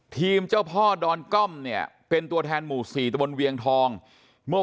เจ้าพ่อดอนก้อมเนี่ยเป็นตัวแทนหมู่๔ตะบนเวียงทองเมื่อ